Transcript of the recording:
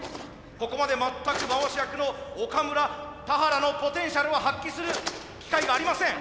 ここまで全く回し役の岡村田原のポテンシャルを発揮する機会がありません！